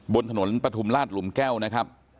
บนถนนปฐุมราชหลุมแก้วนะครับ